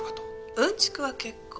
うんちくは結構。